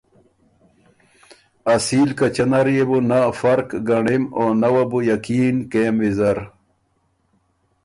”اصیل کچۀ نر يې بو نۀ فرق ګنړِم او نۀ وه بو یقین کېم ویزر“